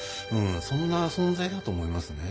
そんな存在だと思いますね。